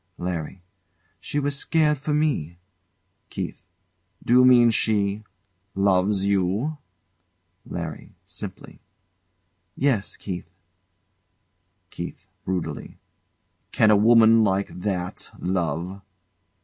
LARRY. She was scared for me. KEITH. D'you mean she loves you? LARRY. [Simply] Yes, Keith. KEITH. [Brutally] Can a woman like that love?